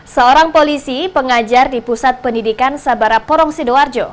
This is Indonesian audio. seorang polisi pengajar di pusat pendidikan sabara porong sidoarjo